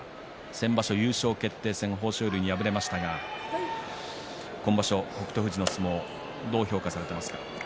先場所、優勝決定戦で豊昇龍に敗れましたが今場所の北勝富士の相撲はどうですか？